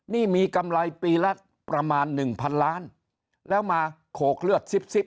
นี่มีกำไรปีละประมาณหนึ่งพันล้านแล้วมาโขกเลือดซิบซิบ